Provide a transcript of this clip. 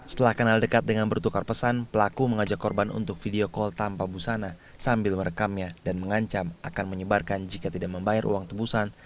setelah kenal dekat dengan bertukar pesan pelaku mengajak korban untuk video call tanpa busana sambil merekamnya dan mengancam akan menyebarkan jika tidak membayar uang tebusan